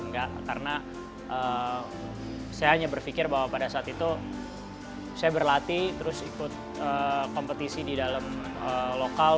enggak karena saya hanya berpikir bahwa pada saat itu saya berlatih terus ikut kompetisi di dalam lokal